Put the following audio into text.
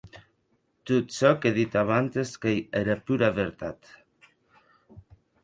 Tot çò qu'è dit abantes qu'ei era pura vertat.